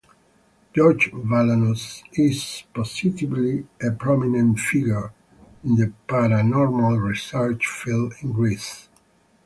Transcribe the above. George Balanos is positively a prominent figure in the paranormal research field in Greece.